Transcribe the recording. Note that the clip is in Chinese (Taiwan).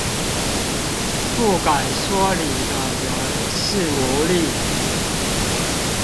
不敢說理的人是奴隸